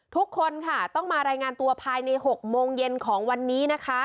ทุกคนค่ะต้องมารายงานตัวภายใน๖โมงเย็นของวันนี้นะคะ